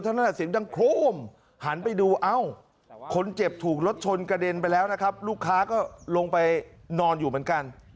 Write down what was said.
นั่นแหละเสียงดังโครมหันไปดูเอ้าคนเจ็บถูกรถชนกระเด็นไปแล้วนะครับลูกค้าก็ลงไปนอนอยู่เหมือนกัน